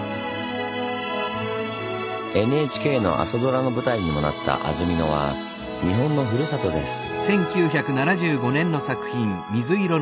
ＮＨＫの朝ドラの舞台にもなった安曇野は日本のふるさとです。